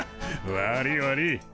悪い悪い。